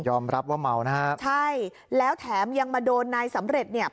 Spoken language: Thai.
รับว่าเมานะฮะใช่แล้วแถมยังมาโดนนายสำเร็จเนี่ย